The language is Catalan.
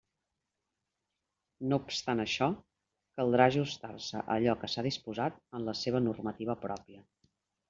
No obstant això, caldrà ajustar-se a allò que s'ha disposat en la seua normativa pròpia.